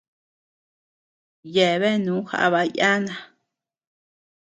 Yeabeanu aaba yana.